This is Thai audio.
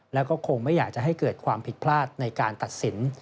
แล้วก็คงไม่อยากจะให้เกิดความผิดพลาดในการตัดสิน